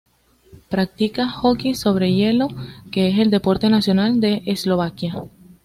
Practica hockey sobre hielo, que es el deporte nacional de Eslovaquia.